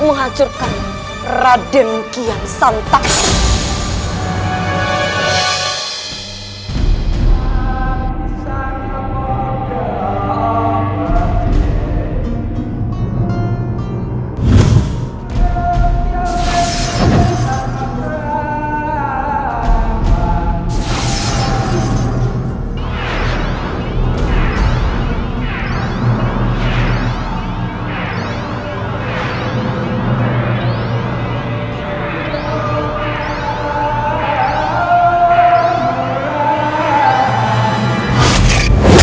menghancurkan raden giantse